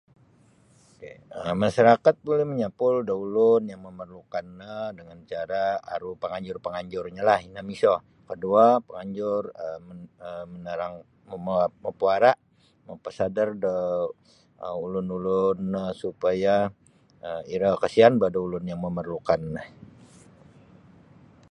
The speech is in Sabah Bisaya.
Masarakat buli manyapul da ulun yang memerlu'kan no dengan cara aru panganjur-penganjurnyolah ino miso koduo penganjur um menerang mapuara' mapasedar da ulun-ulun no supaya um iro kasian boh da ulun-ulun yang memerlu'kan no.